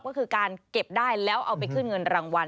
ก็คือการเก็บได้แล้วเอาไปขึ้นเงินรางวัล